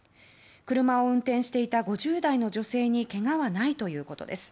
車を運転していた５０代の女性にけがはないということです。